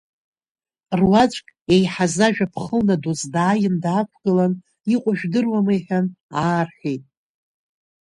Руаӡәк, еиҳа зажәа ԥхылнадоз дааин даақәгылан, иҟоу жәдыруама иҳәан, аа, — рҳәеит.